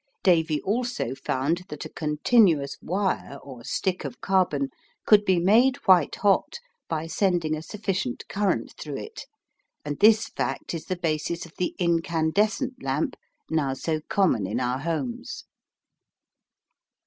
Davy also found that a continuous wire or stick of carbon could be made white hot by sending a sufficient current through it, and this fact is the basis of the incandescent lamp now so common in our homes.